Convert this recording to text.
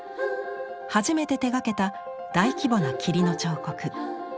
初めて手がけた大規模な「霧の彫刻」。